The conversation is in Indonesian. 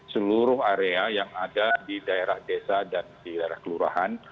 seluruh area yang ada di daerah desa dan di daerah kelurahan